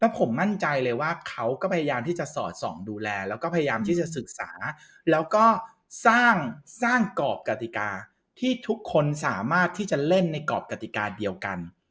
ผมมั่นใจเลยว่าเขาก็พยายามที่จะสอดส่องดูแลแล้วก็พยายามที่จะศึกษาแล้วก็สร้างกรอบกติกาที่ทุกคนสามารถที่จะเล่นในกรอบกติกาเดียวกัน